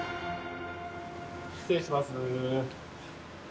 失礼します。